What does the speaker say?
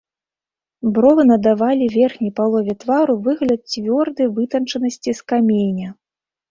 Бровы надавалі верхняй палове твару выгляд цвёрдай вытачанасці з каменя.